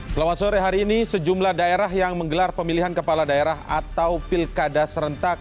selamat sore hari ini sejumlah daerah yang menggelar pemilihan kepala daerah atau pilkada serentak